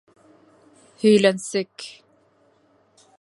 Һөйләнсек!